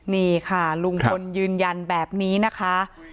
นี่ค่ะลุงพลยืนยันแบบนี้นะคะ